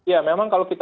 ya memang kalau fiturnya